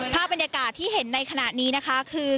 ภาพบรรยากาศที่เห็นในขณะนี้นะคะคือ